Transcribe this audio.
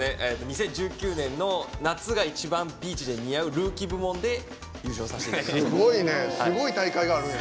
２０１９年の夏が一番似合うルーキー部門で優勝させていただきました。